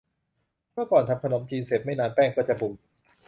เมื่อก่อน ทำขนมจีนเสร็จ ไม่นานแป้งก็จะบูด